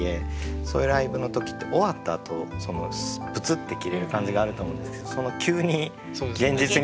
そういうライブの時って終わったあとブツッて切れる感じがあると思うんですけどその急に現実に戻される感じが。